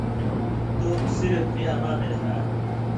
تُو صرف می اما مِلیۡ ہرہ۔